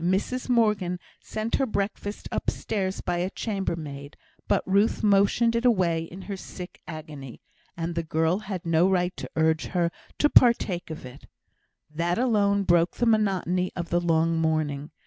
Mrs Morgan sent her breakfast upstairs by a chambermaid, but Ruth motioned it away in her sick agony, and the girl had no right to urge her to partake of it. That alone broke the monotony of the long morning.